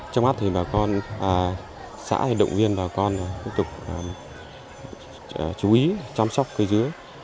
trong mắt thì bà con xã thì động viên bà con tiếp tục chú ý chăm sóc cây dứa